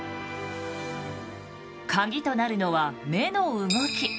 カギとなるのは目の動き。